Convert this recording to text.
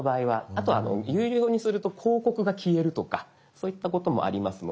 あとは有料にすると広告が消えるとかそういったこともありますので。